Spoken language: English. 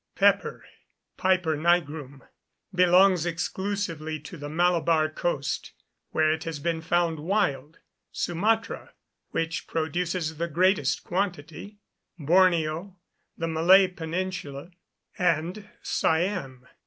Pepper (Piper nigrum) belongs exclusively to the Malabar coast, where it has been found wild, Sumatra, which produces the greatest quantity, Borneo, the Malay peninsula, and Siam.